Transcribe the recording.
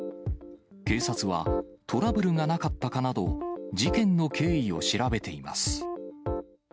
警察は、トラブルがなかったかなど、事件の経緯を調べています。